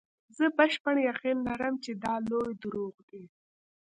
زه بشپړ یقین لرم چې دا لوی دروغ دي.